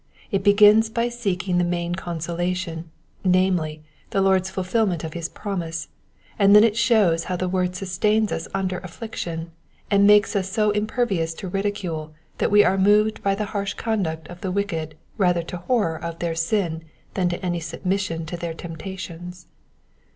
It begins by seeking the main consolation, namely, the Lord^s fulfilment of his promise, ana then it shows how the word sustains us under affliction, and makes us so im pervious to ridicule that we are moved by the harsh conduct of the wicked rather to horror of their sin than to any submission to their temptations.